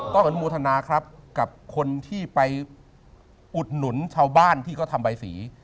ต้องเป็นมธนาครับกับคนที่ไปอุดหนุนชาวบ้านที่ก็ทำใบสี